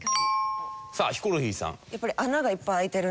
さあヒコロヒーさん。